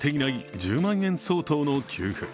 １０万円相当の給付。